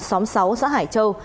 xóm sáu xã hải châu